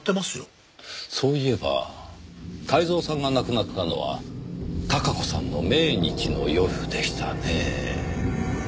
そういえば泰造さんが亡くなったのは孝子さんの命日の夜でしたねぇ。